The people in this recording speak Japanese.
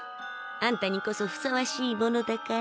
あんたにこそふさわしいものだから。